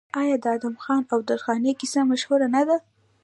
آیا د ادم خان او درخانۍ کیسه مشهوره نه ده؟